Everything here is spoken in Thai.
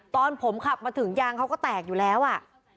ตอนผมขับมาถึงยางเขาก็แตกอยู่แล้วอ่ะ